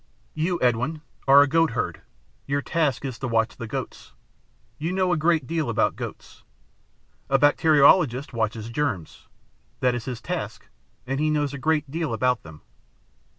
"You, Edwin, are a goatherd. Your task is to watch the goats. You know a great deal about goats. A bacteriologist watches germs. That's his task, and he knows a great deal about them.